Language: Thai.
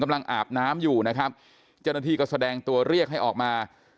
อาบน้ำอยู่นะครับเจ้าหน้าที่ก็แสดงตัวเรียกให้ออกมา